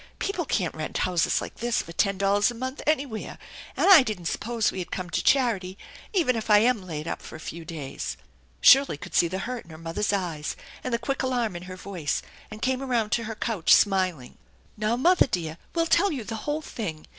People can't rent houses like this for ten dollars a month anywhere, and I didn't suppose we had come to charity, even if I am laid up for a few days." Shirley could see the hurt in her mother's eyes and the quick alarm in her voice, and came around to her couch, smiling. " Now, mother dear, we'll tell you the whole thing.